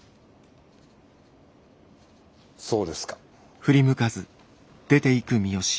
そうですか。